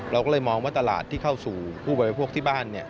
เราก็เลยมองว่าตลาดที่เข้าสู่ผู้บริโภคที่บ้าน